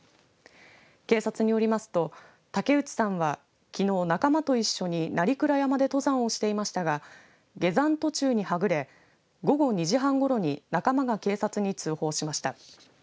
警察によりますと、竹内さんはきのう仲間と一緒に鳴倉山で登山をしていましたが下山途中にはぐれ午後２時半ごろに仲間が警察に通報しました。